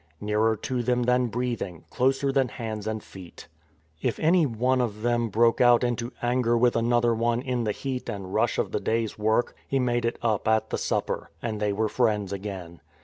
" Nearer to them than breathing, Closer than hands and feet." If any one of them broke out into anger with an other one in the heat and rush of the day's work, he made it up at the Supper, and they were friends again.